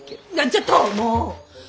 ちょっともう！